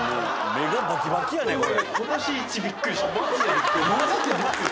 目がバキバキやね、これ。